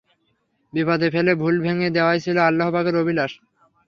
বিপদে ফেলে ভুল ভেঙ্গে দেয়াই ছিল আল্লাহ্ পাকের অভিলাষ।